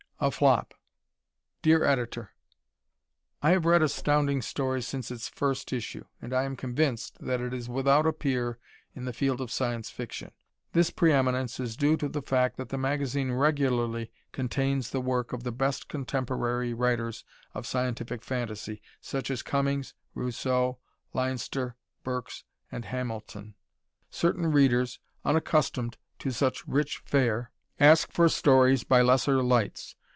"A Flop" Dear Editor: I have read Astounding Stories since its first issue, and I am convinced that it is without a peer in the field of Science Fiction. This preeminence is due to the fact that the magazine regularly contains the work of the best contemporary writers of scientific fantasy, such as Cummings, Rousseau, Leinster, Burks and Hamilton. Certain readers, unaccustomed to such rich fare, ask for stories by lesser lights.